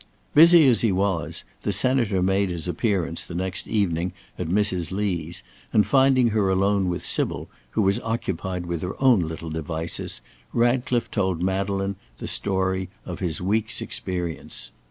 Busy as he was, the Senator made his appearance the next evening at Mrs. Lee's, and finding her alone with Sybil, who was occupied with her own little devices, Ratcliffe told Madeleine the story of his week's experience.